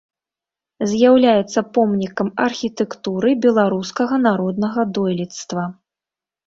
З'яўляецца помнікам архітэктуры беларускага народнага дойлідства.